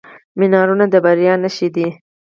منارونه د بریا نښې دي.